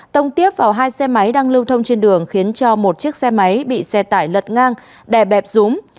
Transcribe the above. tông tiếp vào hai xe máy đang lưu thông trên đường khiến cho một chiếc xe máy bị xe tải lật ngang đè bẹp rúm